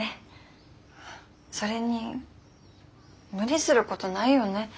それに無理することないよね